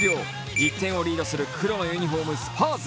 １点をリードする黒のユニフォームスパーズ。